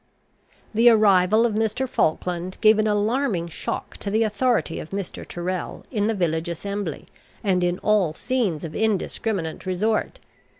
The arrival of Mr. Falkland gave an alarming shock to the authority of Mr. Tyrrel in the village assembly and in all scenes of indiscriminate resort.